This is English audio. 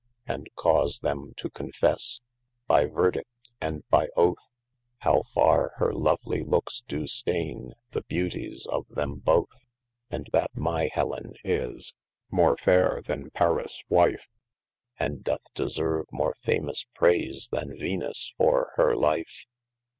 And cause them to confesse by verdi& and by othe, How fiarre hir lovelie lookes do steine, the beauties of them both. And that my Hellen is more fiaire then Paris wife, And doth deserve more famous praise, then Venus for hir life.